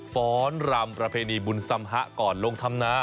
ฟ้อนรำประเพณีบุญสำหะก่อนลงธรรมนา